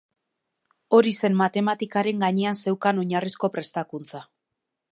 Hori zen matematikaren gainean zeukan oinarrizko prestakuntza.